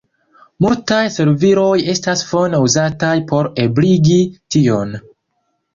Multaj serviloj estas fone uzataj por ebligi tion.